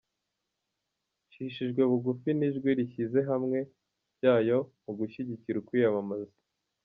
Ncishijwe bugufi n’ijwi rishyize hamwe ryayo mu gushyigikira ukwiyamamaza’.